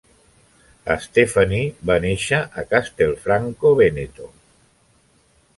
Steffani va néixer a Castelfranco Veneto.